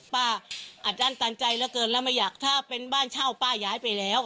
ป้าอาจดั้นตามใจเกินแล้วไม่อยากถ้าเป็นบ้านเช่าป้าย้ายไปแล้ว